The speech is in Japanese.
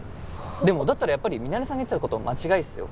でもだったらやっぱりミナレさんが言ってた事間違いっすよ。